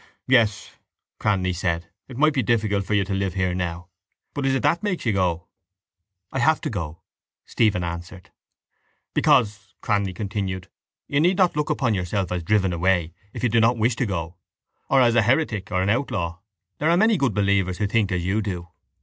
—Yes, Cranly said. It might be difficult for you to live here now. But is it that makes you go? —I have to go, Stephen answered. —Because, Cranly continued, you need not look upon yourself as driven away if you do not wish to go or as a heretic or an outlaw. There are many good believers who think as you do.